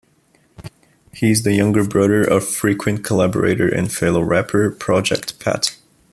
He is the younger brother of frequent collaborator and fellow rapper Project Pat.